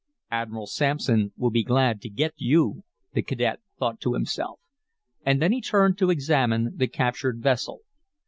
"Admiral Sampson will be glad to get you," the cadet thought to himself. And then he turned to examine the captured vessel.